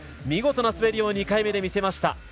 見事な滑りを２回目で見せました。